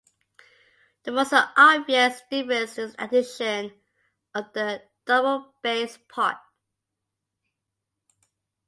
The most obvious difference is the addition of the double bass part.